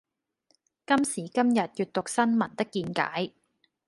今時今日閱讀新聞的見解